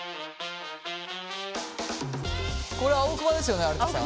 これ青クマですよね有田さん？